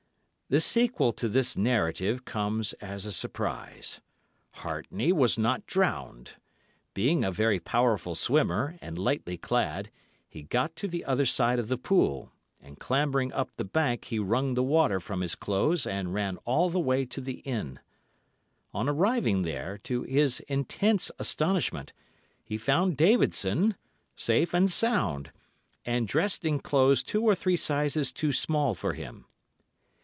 "The sequel to this narrative comes as a surprise. Hartney was not drowned. Being a very powerful swimmer, and lightly clad, he got to the other side of the pool, and, clambering up the bank, he wrung the water from his clothes and ran all the way to the inn. On arriving there, to his intense astonishment, he found Davidson, safe and sound, and dressed in clothes two or three sizes too small for him.